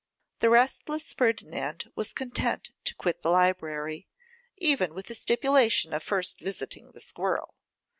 The restless Ferdinand was content to quit the library, even with the stipulation of first visiting the squirrel.